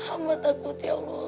abah takut ya allah